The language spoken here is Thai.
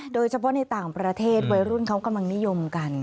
โดยเฉพาะในต่างประเทศวัยรุ่นเขากำลังนิยมกัน